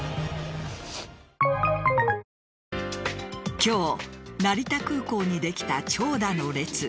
今日成田空港にできた長蛇の列。